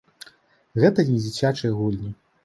Гэта не дзіцячыя гульні.